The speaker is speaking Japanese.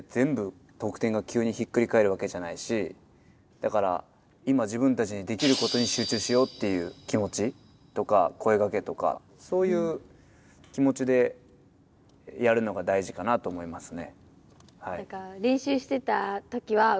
だから今自分たちにできることに集中しようっていう気持ちとか声がけとかそういう気持ちでやるのが大事かなと思いますね。